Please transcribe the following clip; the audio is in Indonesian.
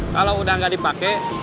kalo udah gak dipake